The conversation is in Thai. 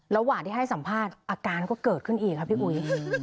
ระหว่างที่ให้สัมภาษณ์อาการก็เกิดขึ้นอีกค่ะพี่อุ๋ย